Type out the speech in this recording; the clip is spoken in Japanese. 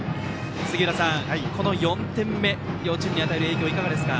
杉浦さん、この４点目両チームに与える影響はいかがですか。